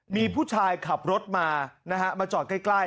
มีผู้ชายขับรถมานะฮะมาจอดใกล้